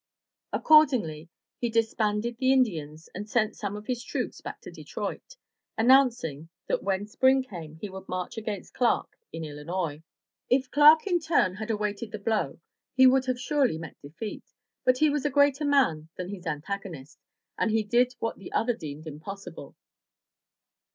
Accordingly he disbanded the Indians and sent some of his troops back to Detroit, announcing that when 393 MY BOOK HOUSE spring came he would march against Clark in Illinois. If Clark in turn had awaited the blow he would have surely met defeat, but he was a greater man than his antagonist, and he did what the other deemed impossible.